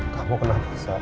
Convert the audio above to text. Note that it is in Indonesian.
kamu kenapa sayang